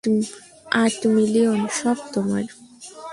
আট মিলিয়ন, সব তোমার।